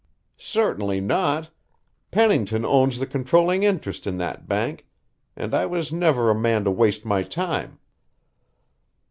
"Certainly not. Pennington owns the controlling interest in that bank, and I was never a man to waste my time."